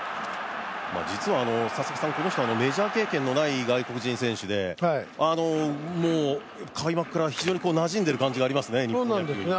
実は、この人メジャー経験のない外国人選手で開幕から非常になじんでいる感じがありますね。